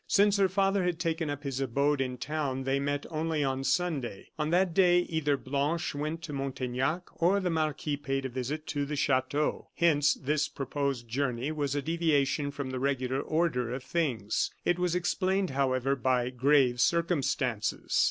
Since her father had taken up his abode in town they met only on Sunday; on that day either Blanche went to Montaignac, or the marquis paid a visit to the chateau. Hence this proposed journey was a deviation from the regular order of things. It was explained, however, by grave circumstances.